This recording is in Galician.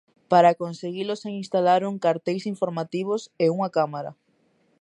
Para conseguilo xa instalaron carteis informativos e unha cámara.